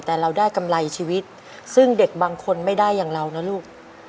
แต่เราได้กำไรชีวิตซึ่งเด็กบางคนไม่ได้อย่างเรานะลูก